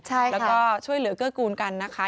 แล้วก็ช่วยเหลือเกื้อกูลกันนะคะ